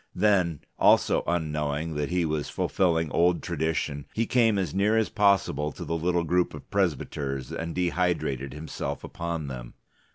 Then, also unknowing that he was fulfilling old tradition, he came as near as possible to the little group of presbyters and dehydrated himself upon them.